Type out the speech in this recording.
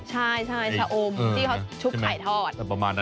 ใช่ไบเซโช่มที่ชุกไข่ทอด